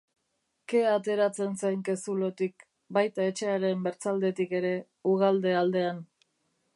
Kea ateratzen zen ke-zulotik, baita etxearen bertzaldetik ere, ugalde aldean.